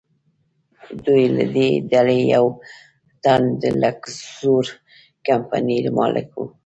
دوی له دې ډلې یو تن د لکزور کمپنۍ مالک و.